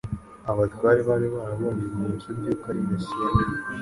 Abatware bari barabonye ibimenyetse by'uko ari Mesiya.